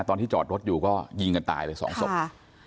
ตอนที่จอดรถอยู่ก็ยิงกันตายเลยสองศพ